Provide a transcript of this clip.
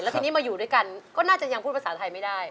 ทีนี้มาอยู่ด้วยกันก็น่าจะยังพูดภาษาไทยไม่ได้